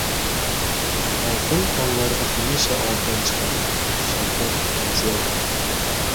“Oltin konlaridan hamisha oltin chiqadi"- Shavkat Mirziyoyev